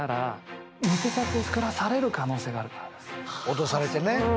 脅されてね。